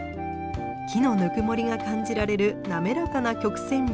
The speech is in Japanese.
木のぬくもりが感じられる滑らかな曲線美。